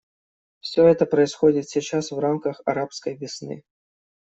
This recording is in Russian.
Все это происходит сейчас в рамках «арабской весны».